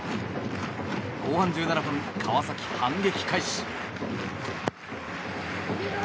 後半１７分川崎、反撃開始。